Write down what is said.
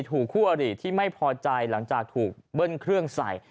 คู่อริที่ไม่พอใจหลังจากถูกเบิ้ลเครื่องใส่